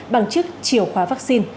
bằng chức triều khóa vaccine